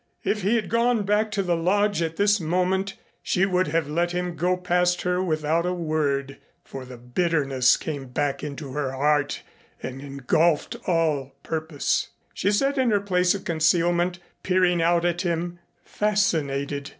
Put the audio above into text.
If he had gone back to the Lodge at this moment she would have let him go past her without a word, for the bitterness came back into her heart and engulfed all purpose. She sat in her place of concealment, peering out at him, fascinated.